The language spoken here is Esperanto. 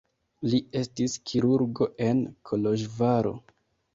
Li estis kirurgo en Koloĵvaro.